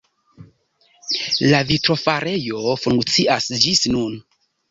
La vitrofarejo funkcias ĝis nun.